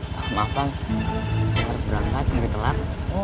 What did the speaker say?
maka saya harus berangkat mungkin telat